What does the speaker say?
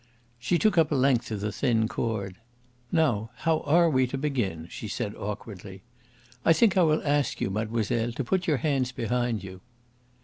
She took up a length of the thin cord. "Now, how are we to begin?" she said awkwardly. "I think I will ask you, mademoiselle, to put your hands behind you."